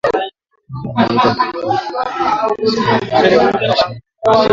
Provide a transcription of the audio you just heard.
mama anaweza piya ku pistule ku ma election provincial ata